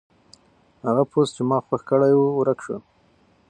هغه پوسټ چې ما خوښ کړی و ورک شو.